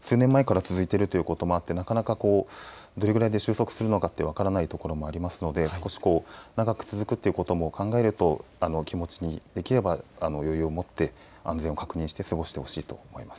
そうですね、今回の活動数年前から続いてることもあってどれぐらいで収束するのか分からないこともありますので少し長く続くということも考えると気持ちにできれば余裕を持って安全を確認して過ごしてほしいと思います。